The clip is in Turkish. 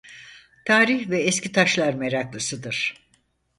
Tarih ve eski taşlar meraklısıdır.